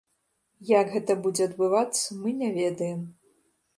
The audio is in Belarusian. Як гэта будзе адбывацца, мы не ведаем.